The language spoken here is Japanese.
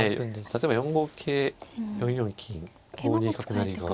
例えば４五桂４四金５二角成が。